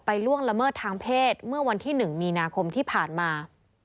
ล่วงละเมิดทางเพศเมื่อวันที่๑มีนาคมที่ผ่านมา